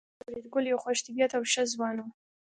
فریدګل یو خوش طبیعته او ښه ځوان و